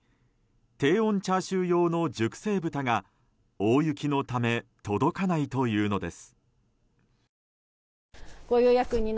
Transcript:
低温チャーシュー用の熟成豚が大雪のため届かないというのです。